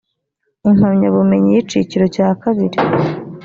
impamyabumenyi y icyiciro cya kabiri